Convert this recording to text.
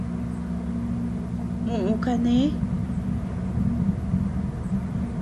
Muʼu kané.